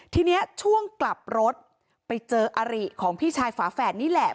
ทีนี้ช่วงกลับรถไปเจออาริของพี่ชายฝาแฝดนี่แหละ